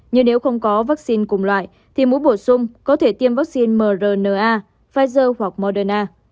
nhưng nếu không có vaccine cùng loại thì muốn bổ sung có thể tiêm vaccine mrna pfizer hoặc moderna